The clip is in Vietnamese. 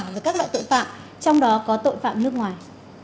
với các loại tội phạm trong đó có tội phạm nước ngoài